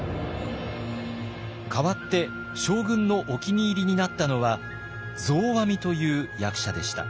代わって将軍のお気に入りになったのは増阿弥という役者でした。